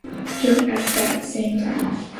Joe at that same time.